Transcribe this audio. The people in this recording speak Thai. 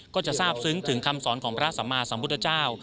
ก็จะทราบซึ้งถึงคำสอนของพระสัมมาสัมพุทธเจ้า